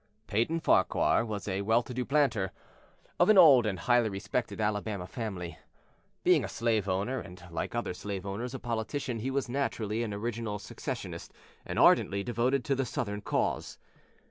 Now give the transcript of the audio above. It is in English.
II Peyton Farquhar was a well to do planter, of an old and highly respected Alabama family. Being a slave owner and like other slave owners a politician he was naturally an original secessionist and ardently devoted to the Southern cause.